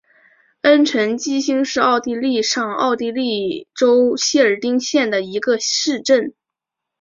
恩岑基兴是奥地利上奥地利州谢尔丁县的一个市镇。